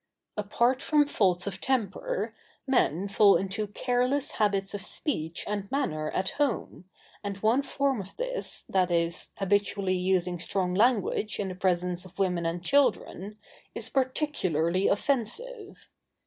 Apart from faults of temper, men fall into careless habits of speech and manner at home, and one form of this, viz., habitually using strong language in the presence [Sidenote: On strong language.] of women and children, is particularly offensive.